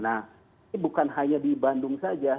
nah ini bukan hanya di bandung saja